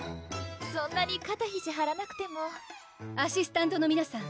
そんなに肩ひじはらなくてもアシスタントの皆さん